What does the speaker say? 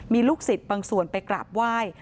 มีลูกศิษย์บางส่วนไปกราบไหว้